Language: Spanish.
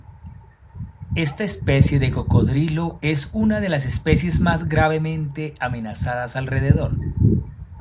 Esta especie de cocodrilo es una de las especies más gravemente amenazadas alrededor.